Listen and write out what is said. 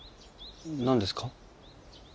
何ですか？